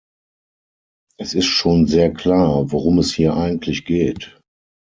Es ist schon sehr klar, worum es hier eigentlich geht.